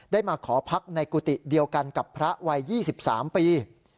มาขอพักในกุฏิเดียวกันกับพระวัย๒๓ปี